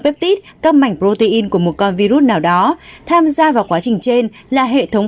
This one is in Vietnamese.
peptit các mảnh protein của một con virus nào đó tham gia vào quá trình trên là hệ thống